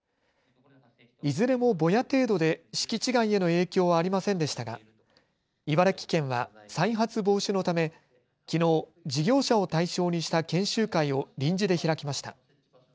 いずれもぼや程度で敷地外への影響はありませんでしたが茨城県は再発防止のため、きのう事業者を対象にした研修会を臨時で開きました。